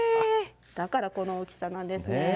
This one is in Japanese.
だからこの大きさなんですね。